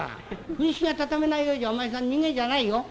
風呂敷が畳めないようじゃお前さん人間じゃないよ」。